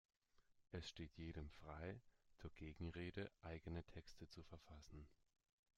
Es steht jedem frei, zur Gegenrede eigene Texte zu verfassen.